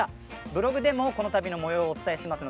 ブログでもこのもようをお伝えしています。